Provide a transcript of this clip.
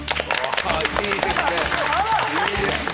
いいですね！